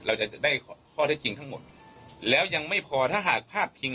เราจะได้ข้อเท็จจริงทั้งหมดแล้วยังไม่พอถ้าหากพลาดพิง